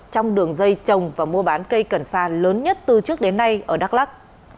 trong đường dây trồng và mua bán cây cần sa lớn nhất từ trước đến nay ở đắk lắc